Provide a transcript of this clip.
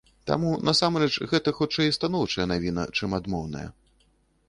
Таму, насамрэч, гэта, хутчэй, станоўчая навіна, чым адмоўная.